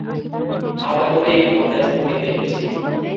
আপাতত এই ভাবনা স্থগিত রেখেছি।